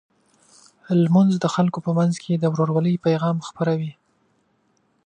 لمونځ د خلکو په منځ کې د ورورولۍ پیغام خپروي.